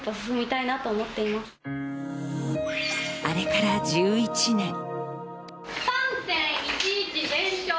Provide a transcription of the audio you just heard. あれから１１年。